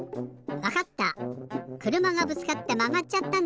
わかった！